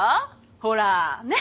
ほらねっ？